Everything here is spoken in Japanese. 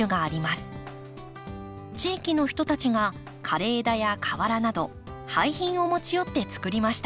地域の人たちが枯れ枝や瓦など廃品を持ち寄って作りました。